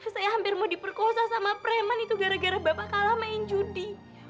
saya hampir mau diperkosa sama preman itu gara gara bapak kalah main judi